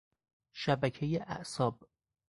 شبکهی اعصاب